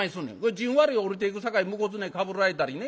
「じんわり下りていくさかい向こうずねかぶられたりね